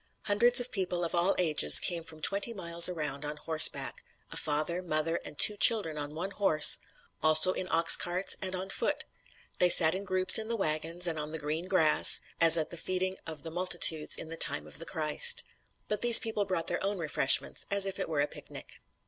Hundreds of people of all ages came from twenty miles around on horseback a father, mother and two children on one horse also in oxcarts, and on foot. They sat in groups in the wagons, and on the green grass, as at the feeding of the multitudes in the time of the Christ. But these people brought their own refreshments as if it were a picnic.